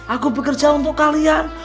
aku bekerja untuk kalian